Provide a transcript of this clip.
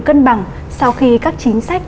cân bằng sau khi các chính sách